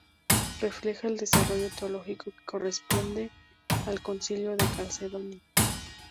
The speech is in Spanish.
Refleja el desarrollo teológico que corresponde al Concilio de Calcedonia.